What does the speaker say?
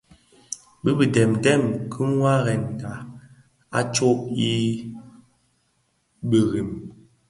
Bi bitamtam dhi waarèna a tsog ki birim.